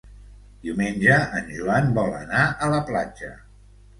Diumenge en Joan vol anar a la platja.